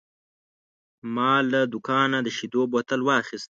ما له دوکانه د شیدو بوتل واخیست.